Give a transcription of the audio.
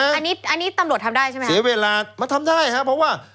อันนี้อันนี้ตำรวจทำได้ใช่ไหมเสียเวลามันทำได้ครับเพราะว่า